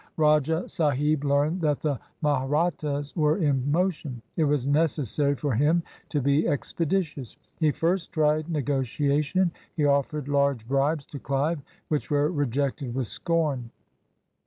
Rajah Sahib learned that the Mahrat tas were in motion. It was necessary for him to be ex peditious. He first tried negotiation. He offered large bribes to Clive, which were rejected with scorn.